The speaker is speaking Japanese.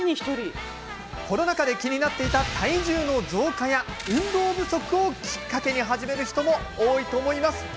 コロナ禍で気になっていた体重の増加や運動不足をきっかけに始める人も多いと思います。